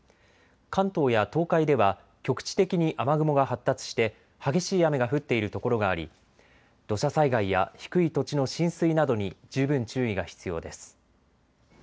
関東や東海では局地的に雨雲が発達して激しい雨が降っているところがあり土砂災害や低い土地の浸水などに十分注意が必要です。